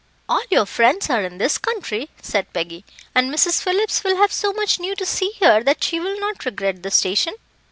"All your friends are in this country," said Peggy, "and Mrs. Phillips will have so much new to see here that she will not regret the station.